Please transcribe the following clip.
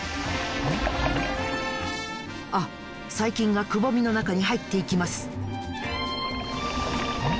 あっ細菌がくぼみのなかにはいっていきます。